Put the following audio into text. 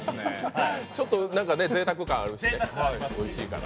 ちょっとぜいたく感があって、おいしいから。